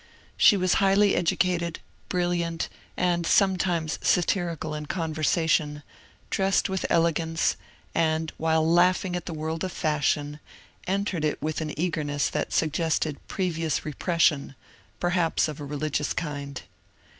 She was highly educated, brilliant, and sometimes satirical in con versation, dressed with elegance, and, while laughing at the world of fashion, entered it with an eagerness that suggested previous repression, perhaps of a religious kind.